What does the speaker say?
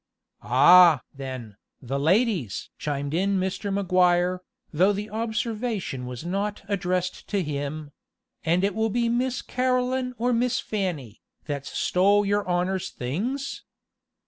"Ah! then, the ladies!" chimed in Mr. Maguire, though the observation was not addressed to him; "and will it be Miss Caroline or Miss Fanny, that's stole your honor's things?"